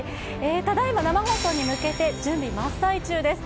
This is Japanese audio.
ただいま生放送に向けて準備真っ最中です。